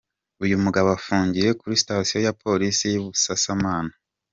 Uyu mugabo afungiye kuri sitasiyo ya Polisi ya Busasamana.